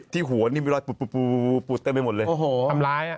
ที่หัวนิ้วมีรอยปลูดปลูดเต็มไปหมดเลย